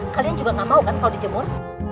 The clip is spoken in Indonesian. kalian juga gak mau kan kalau dijemur